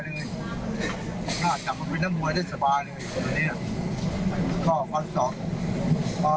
น่าจะมาเป็นนักมวยได้สบายเลย